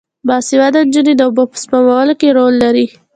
باسواده نجونې د اوبو په سپمولو کې رول لري.